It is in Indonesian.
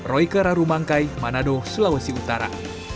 royke rarumangkai manado sulawesi utara